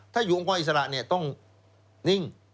ถ้าอยู่องค์กรอิสระเนี่ยต้องนิ่ง